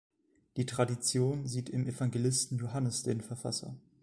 Die Tradition sieht im Evangelisten Johannes den Verfasser.